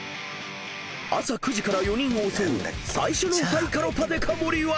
［朝９時から４人を襲う最初のハイカロパでか盛りは？］